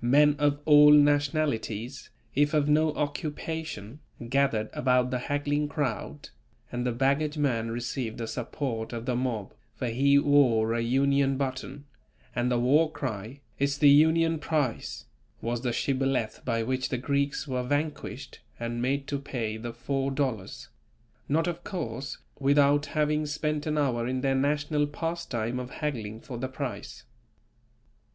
Men of all nationalities, if of no occupation, gathered about the haggling crowd, and the baggage man received the support of the mob, for he wore a Union button, and the war cry: "It's the Union price" was the Shibboleth by which the Greeks were vanquished and made to pay the four dollars; not of course, without having spent an hour in their national pastime of haggling for the price.